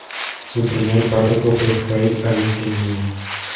Su primer párroco fue Fray Agustín Niño.